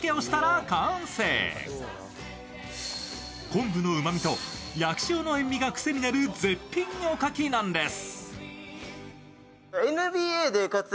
昆布のうまみと焼き塩の塩味がクセになる絶品おかきなんです。